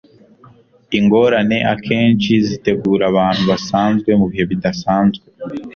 ingorane akenshi zitegura abantu basanzwe mubihe bidasanzwe